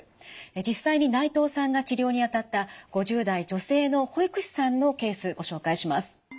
実際に内藤さんが治療にあたった５０代女性の保育士さんのケースご紹介します。